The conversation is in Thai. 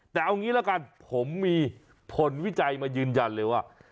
แต่เอางี้ละกันผมมีผลวิจัยมายืนยันเลยว่า